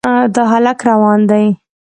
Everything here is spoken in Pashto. دا هلک روان دی.